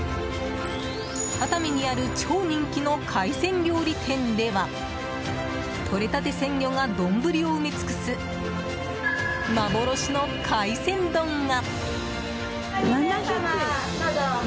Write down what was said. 熱海にある超人気の海鮮料理店ではとれたて鮮魚が丼を埋め尽くす幻の海鮮丼が。